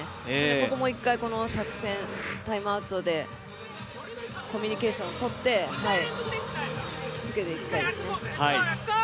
ここもう一回、作戦タイムアウトでコミュニケーションをとって引きつけていきたいですね。